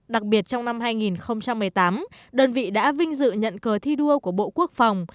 đặc biệt trong năm hai nghìn một mươi tám đơn vị đã vinh dự nhận cờ thi đua của bộ quốc phòng